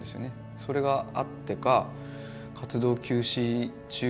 それがあってか活動休止中